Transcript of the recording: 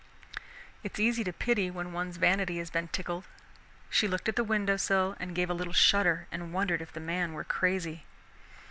It is easy to pity when once one's vanity has been tickled. She looked at the windowsill and gave a little shudder and wondered if the man were crazy.